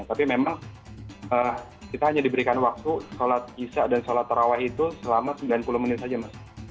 tapi memang kita hanya diberikan waktu sholat isya dan sholat taraweh itu selama sembilan puluh menit saja mas